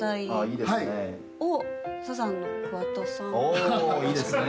おいいですね。